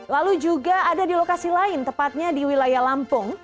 lalu juga ada di lokasi lain tepatnya di wilayah lampung